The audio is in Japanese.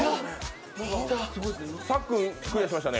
さっくん、クリアしましたね。